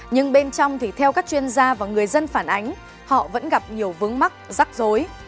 nhưng bên trong thì theo các chuyên gia và người dân phản ánh họ vẫn gặp nhiều vướng mắt rắc rối